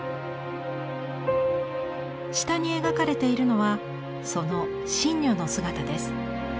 下に描かれているのはその森女の姿です。